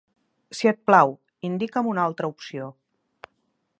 Si et plau, indica'm una altra opció.